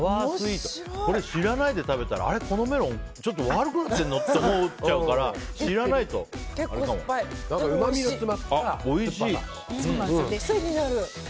これ知らないで食べたらあれ、このメロンちょっと悪くなってるの？って思っちゃうからうまみが詰まってる。